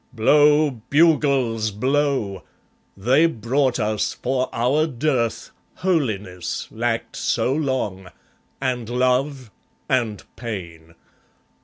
Blow, bugles, blow! They brought us, for our dearth, Holiness, lacked so long, and Love, and Pain.